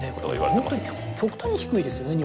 ホントに極端に低いですよね